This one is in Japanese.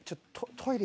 トイレ？